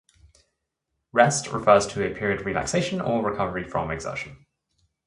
"Rest" refers to a period of relaxation or recovery from exertion.